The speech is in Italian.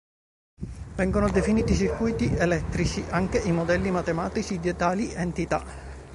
Vengono definiti circuiti elettrici anche i modelli matematici di tali entità.